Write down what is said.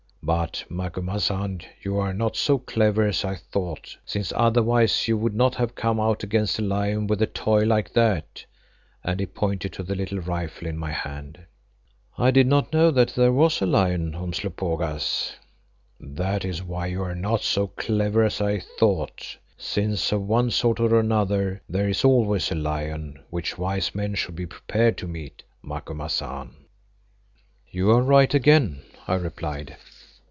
But, Macumazahn, you are not so clever as I thought, since otherwise you would not have come out against a lion with a toy like that," and he pointed to the little rifle in my hand. "I did not know that there was a lion, Umslopogaas." "That is why you are not so clever as I thought, since of one sort or another there is always a lion which wise men should be prepared to meet, Macumazahn." "You are right again," I replied.